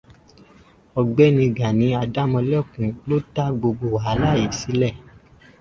Ọ̀gbẹ́ni Gàní Adámọlẹ́kun ló dá gbogbo wàhálà yìí sílẹ̀